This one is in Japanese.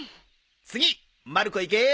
次まる子いけ。